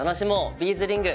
ビーズリング」